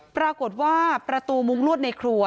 ปรากฏว่าประตูมุ้งลวดในครัว